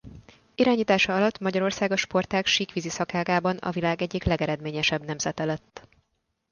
Irányítása alatt Magyarország a sportág síkvízi szakágában a világ egyik legeredményesebb nemzete lett.